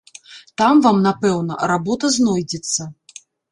Там вам, напэўна, работа знойдзецца.